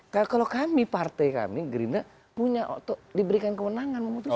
kalau kami partai kami gerindra punya diberikan kewenangan memutuskan